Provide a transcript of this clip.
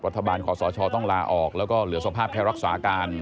ขอสชต้องลาออกแล้วก็เหลือสภาพแค่รักษาการ